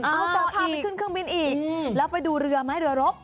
เอาเธอพาไปขึ้นเครื่องบินอีกแล้วไปดูเรือไหมเรือรบ